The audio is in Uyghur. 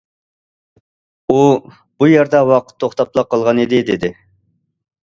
ئۇ: بۇ يەردە ۋاقىت توختاپلا قالغانىدى، دېدى.